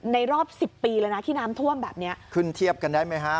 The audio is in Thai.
รอบสิบปีเลยนะที่น้ำท่วมแบบเนี้ยขึ้นเทียบกันได้ไหมฮะ